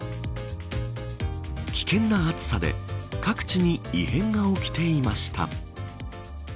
危険な暑さで、各地に異変が起きていました。